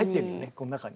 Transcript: この中に。